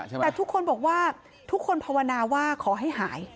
แต่ทุกคนบอกว่าทุกคนภาวนาว่าขอให้หาย